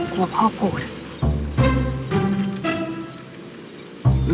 กลัวพ่อโกรธ